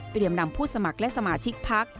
เตรียมนำผู้สมัครและสมาชิกพัก